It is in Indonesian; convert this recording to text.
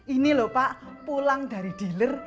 ini lho pak pulang dari dealer